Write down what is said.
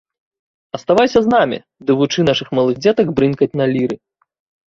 Аставайся з намі ды вучы нашых малых дзетак брынкаць на ліры.